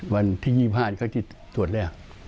วันที่๒๕เขาที่ตรวจแล้ว